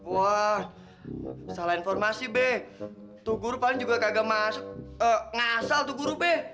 wah salah informasi be tuh guru paling juga kagak masuk ngasal tuh guru be